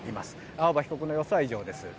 青葉被告の様子は以上です。